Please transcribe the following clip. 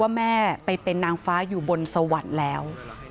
แม่ไปเป็นนางฟ้าอยู่บนสวรรค์แล้ว